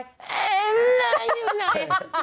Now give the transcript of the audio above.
เอ้อเหล่าอยู่ไหน